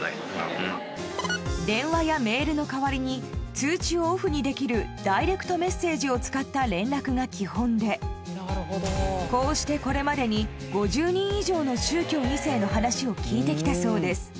通知をオフにできるダイレクトメッセージを使った連絡が基本でこうしてこれまでにの宗教２世の話を聞いて来たそうです